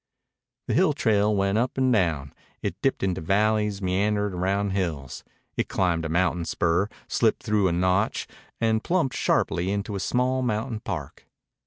The hill trail went up and down. It dipped into valleys and meandered round hills. It climbed a mountain spur, slipped through a notch, and plumped sharply into a small mountain park.